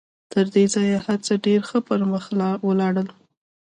تر دې ځایه هر څه ډېر ښه پر مخ ولاړل